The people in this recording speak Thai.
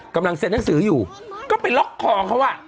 กำลังเสร็จนักศึกศุกรรมอยู่ก้มไปล็อกขอว์เขา